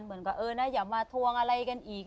เหมือนกับเออนะอย่ามาทวงอะไรกันอีก